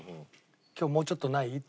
「今日もうちょっとない？」